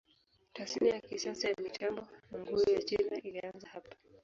Tasnia ya kisasa ya mitambo na nguo ya China ilianza hapa.